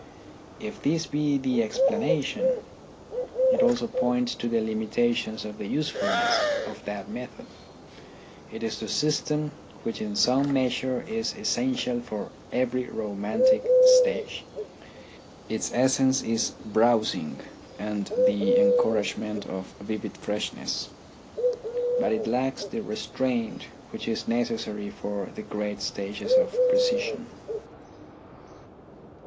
If this be the explanation, it also points to the limitations in the usefulness of that method. It is the system which in some measure is essential for every romantic stage. Its essence is browsing and the encouragement of vivid freshness. But it lacks the restraint which is necessary for the great stages of precision.